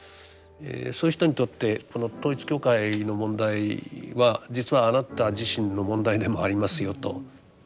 そういう人にとってこの統一教会の問題は実はあなた自身の問題でもありますよと。